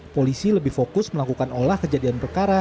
polisi lebih fokus melakukan olah kejadian perkara